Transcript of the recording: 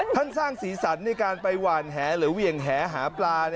ท่านสร้างสีสันในการไปหวานแหหรือเหวี่ยงแหหาปลา